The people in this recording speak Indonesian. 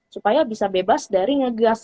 supaya bisa bebas dari ngegas